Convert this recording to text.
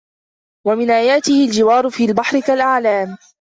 ومن آياته الجوار في البحر كالأعلام